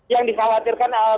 yang dikhawatirkan adalah